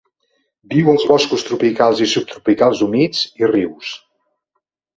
Viu als boscos tropicals i subtropicals humits, i rius.